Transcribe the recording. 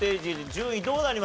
順位どうなりましたか？